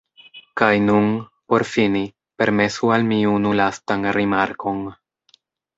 Kaj nun, por fini, permesu al mi unu lastan rimarkon.